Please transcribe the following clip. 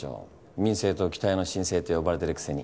民政党期待の新星って呼ばれてるくせに。